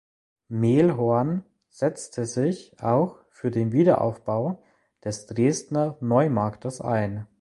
Mehlhorn setzte sich auch für den Wiederaufbau des Dresdner Neumarktes ein.